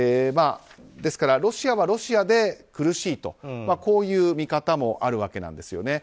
ですからロシアはロシアで苦しいとこういう見方もあるわけです。